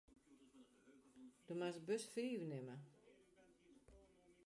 Do moatst bus fiif nimme.